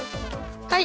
はい。